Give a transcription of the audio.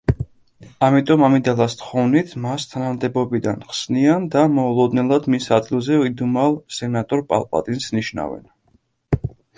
ამიტომ, ამიდალას თხოვნით, მას თანამდებობიდან ხსნიან და მოულოდნელად მის ადგილზე იდუმალ სენატორ პალპატინს ნიშნავენ.